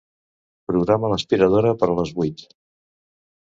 Programa l'aspiradora per a les vuit.